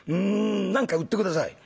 何か売って下さい」。